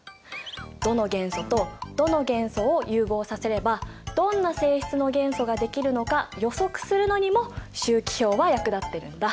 どの元素とどの元素を融合させればどんな性質の元素ができるのか予測するのにも周期表は役立ってるんだ。